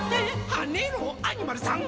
「はねろアニマルさん！」